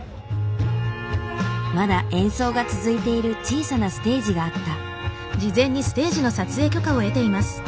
まだ演奏が続いている小さなステージがあった。